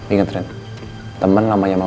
ingat ren temen lamanya mama ini